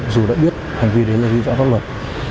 dù đã biết hành vi đấy là vì giả pháp luật